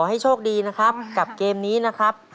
ให้โชคดีนะครับกับเกมนี้นะครับ